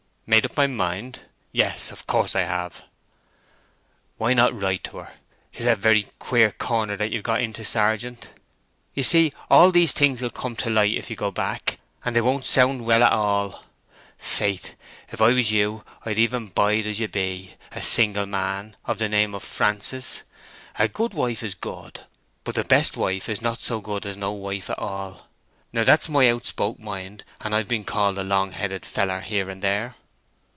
"Made up my mind? Yes; of course I have." "Why not write to her? 'Tis a very queer corner that you have got into, sergeant. You see all these things will come to light if you go back, and they won't sound well at all. Faith, if I was you I'd even bide as you be—a single man of the name of Francis. A good wife is good, but the best wife is not so good as no wife at all. Now that's my outspoke mind, and I've been called a long headed feller here and there."